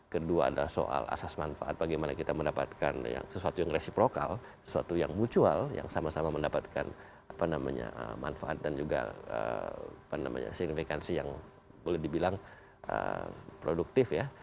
kedua adalah soal asas manfaat bagaimana kita mendapatkan sesuatu yang resiprokal sesuatu yang mutual yang sama sama mendapatkan manfaat dan juga signifikansi yang boleh dibilang produktif ya